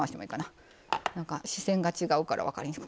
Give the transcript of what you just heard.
なんか視線が違うから分かりにくくて。